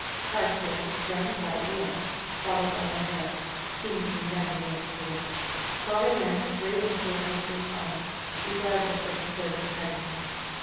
Carstares sprang lightly out, followed by O'Hara, seemingly none the worse for wear. Molly ran straight into her husband's arms, regardless of the servants, hugging him.